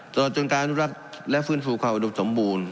ตลอดจนการอนุรักษ์และฟื้นฟูความอุดมสมบูรณ์